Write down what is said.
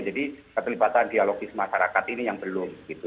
jadi keterlibatan geologis masyarakat ini yang belum gitu